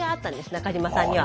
中島さんには。